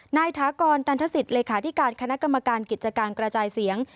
ถากรตันทศิษย์เลขาธิการคณะกรรมการกิจการกระจายเสียง